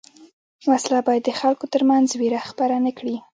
وسله باید د خلکو تر منځ وېره خپره نه کړي